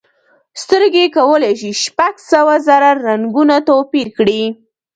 سترګې کولی شي شپږ سوه زره رنګونه توپیر کړي.